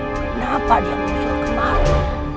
kenapa dia menjauh kembali